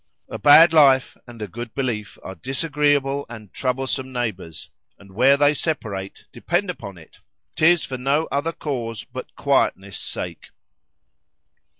A bad life and a good belief are disagreeable and troublesome neighbours, and where they separate, depend upon it, 'tis for no other cause but quietness sake.